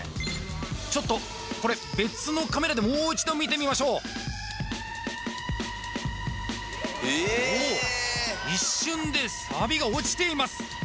ちょっとこれ別のカメラでもう一度見てみましょうおお一瞬でサビが落ちています